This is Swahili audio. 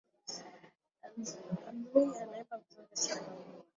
Alwi anaimba vizuri sana.